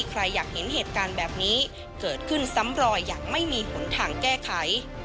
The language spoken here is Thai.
ใครอยากเห็นเหตุการณ์แบบนี้เกิดขึ้นซ้ำรอยอย่างไม่มีหนทางแก้ไข